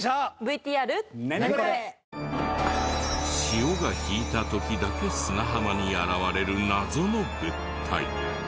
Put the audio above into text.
潮が引いた時だけ砂浜に現れる謎の物体。